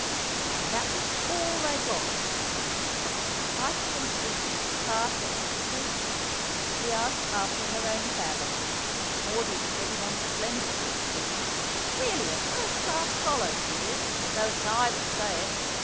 And that was all they got!—cost them fivepence each for car fares too! We asked after her own family. Maudie was getting on splendidly at school, "really a first class scholard she is, although it's I that say it.